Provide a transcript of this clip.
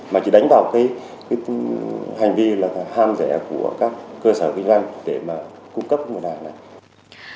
mà chỉ đánh vào cái hành vi là ham rẻ của các cơ sở kinh doanh để mà cung cấp nguồn hàng này